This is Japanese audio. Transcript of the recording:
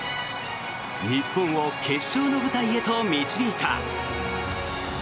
日本を決勝の舞台へと導いた。